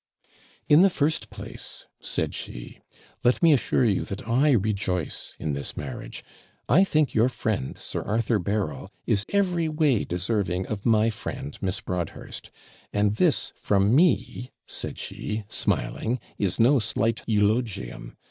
'In the first place,' said she, 'let me assure you that I rejoice in this marriage; I think your friend, Sir Arthur Berryl, is every way deserving of my friend, Miss Broadhurst; and this from me,' said she, smiling, 'is no slight eulogium.